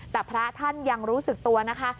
แต่พระท่านยังรู้สึกตัวนะคะ